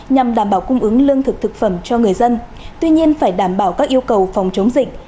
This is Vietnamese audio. nhằm đảm bảo cung ứng lương thực thực phẩm cho người dân tuy nhiên phải đảm bảo các yêu cầu phòng chống dịch